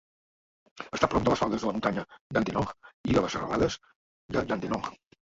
Està a prop de les faldes de la muntanya Dandenong i de les serralades de Dandenong.